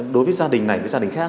đối với gia đình này với gia đình khác